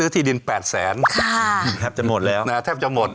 แทบจะหมดแล้วแทบจะหมด